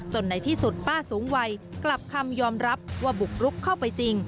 ในที่สุดป้าสูงวัยกลับคำยอมรับว่าบุกรุกเข้าไปจริง